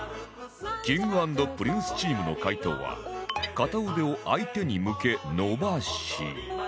Ｋｉｎｇ＆Ｐｒｉｎｃｅ チームの解答は片腕を相手に向け伸ばし